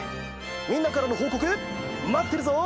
みんなからのほうこくまってるぞ！